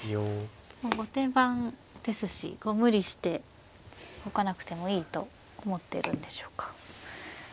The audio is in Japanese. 後手番ですし無理して動かなくてもいいと思ってるんでしょうか。